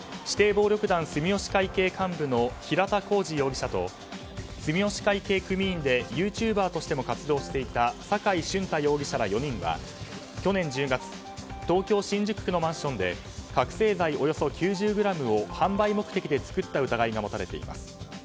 指定暴力団住吉会系幹部の平田弘二容疑者と住吉会系組員でユーチューバーとしても活動していた坂井俊太容疑者ら４人は去年１０月東京・新宿区のマンションで覚醒剤およそ９０ｇを販売目的で作った疑いが持たれています。